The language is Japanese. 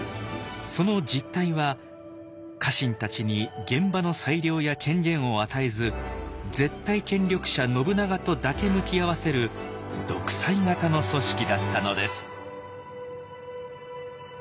その実態は家臣たちに現場の裁量や権限を与えず絶対権力者信長とだけ向き合わせる独裁型の組織だったのです。